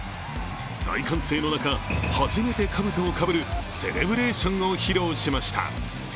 大歓声の中、初めてかぶとをかぶるセレブレーションを披露しました。